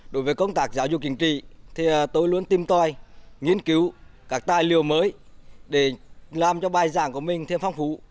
đối với công tác giáo dục chính trị thì tôi luôn tìm tòi nghiên cứu các tài liệu mới để làm cho bài giảng của mình thêm phong phú